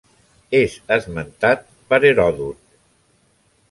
És esmentat per Heròdot.